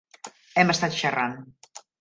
Hem estat xerrant.